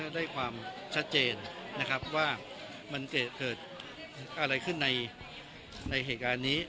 ด้วยความชัดเจนนะครับว่ามันเกิดอะไรขึ้นในเหตุการณ์นี้